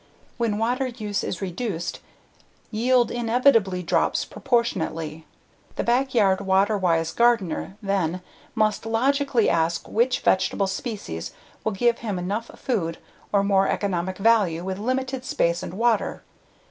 When water use is reduced, yield inevitably drops proportionately. The backyard water wise gardener, then, must logically ask which vegetable species will give him enough food or more economic value with limited space and water.